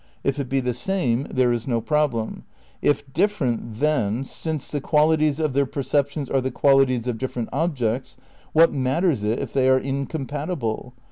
If it be the same there is no problem ; if different then, since the qualities of their perceptions are the qualities of different objects, what matters it if they are incompatible?